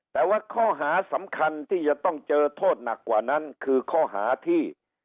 แต่ว่าข้อหาสำคัญที่จะต้องเจอโทษหนักกว่านั้นคือข้อหาที่